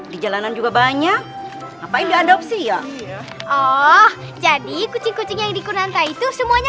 di jalanan juga banyak ngapain diadopsi ya oh jadi kucing kucing yang dikunanta itu semuanya